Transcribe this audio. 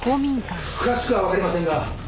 詳しくはわかりませんが。